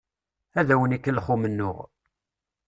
Ad awen-ikellex umennuɣ.